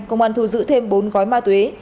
công an thu giữ thêm bốn gói ma tuế